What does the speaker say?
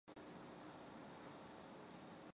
胡价为嘉靖三十四年中式壬戌科三甲进士。